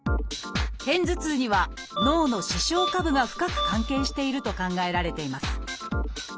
片頭痛には脳の「視床下部」が深く関係していると考えられています。